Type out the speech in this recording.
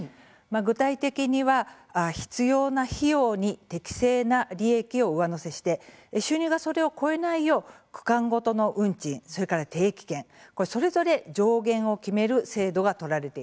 具体的には、必要な費用に適正な利益を上乗せして収入がそれを超えないよう区間ごとの運賃、それから定期券それぞれ上限を決める制度が取られているんです。